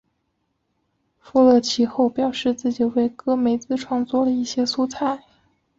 富勒其后表示自己为戈梅兹创作了一些素材。